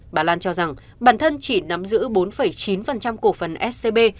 bà lan cho rằng bản thân chỉ nắm giữ bốn chín cổ phần scb